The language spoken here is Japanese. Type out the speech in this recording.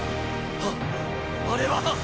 あっあれはっ